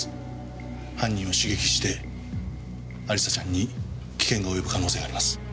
犯人を刺激して亜里沙ちゃんに危険が及ぶ可能性があります。